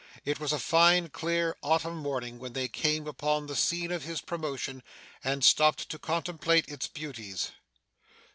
It was a fine, clear, autumn morning, when they came upon the scene of his promotion, and stopped to contemplate its beauties.